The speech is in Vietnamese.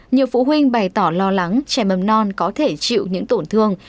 nhiều phụ huynh bày tỏ lo lắng trẻ mầm non có thể chịu những tổn thương